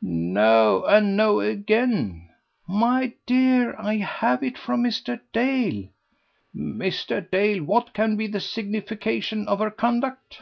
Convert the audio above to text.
"No, and no again!" "My dear, I have it from Mr. Dale." "Mr. Dale, what can be the signification of her conduct?"